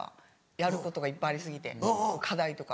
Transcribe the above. やることがいっぱいあり過ぎて課題とか。